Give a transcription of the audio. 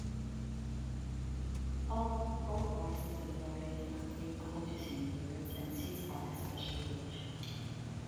All parts of the "Gloriosa" contain colchicine, the roots and seeds are especially rich.